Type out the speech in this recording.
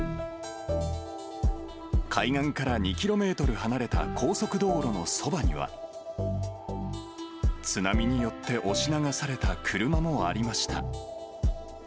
海岸から２キロメートル離れた高速道路のそばには、津波によって押し流された車もありました。